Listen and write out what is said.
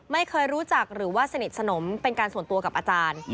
ไม่เคยรู้จักหรือว่าสนิทสนมเป็นการส่วนตัวกับอาจารย์